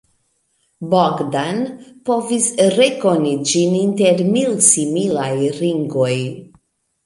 Bogdan povis rekoni ĝin inter mil similaj ringoj.